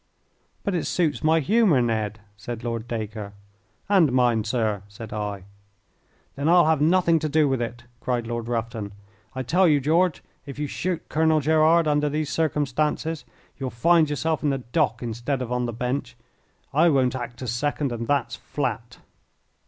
"But it suits my humour, Ned," said Lord Dacre. "And mine, sir," said I. "Then I'll have nothing to do with it," cried Lord Rufton. "I tell you, George, if you shoot Colonel Gerard under these circumstances you'll find yourself in the dock instead of on the bench. I won't act as second, and that's flat."